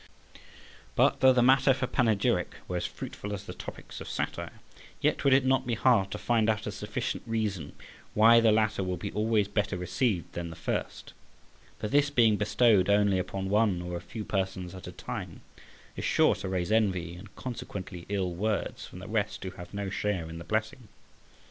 But though the matter for panegyric were as fruitful as the topics of satire, yet would it not be hard to find out a sufficient reason why the latter will be always better received than the first; for this being bestowed only upon one or a few persons at a time, is sure to raise envy, and consequently ill words, from the rest who have no share in the blessing.